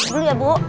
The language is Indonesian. dulu ya bu